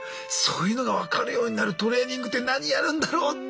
そういうのが分かるようになるトレーニングって何やるんだろう？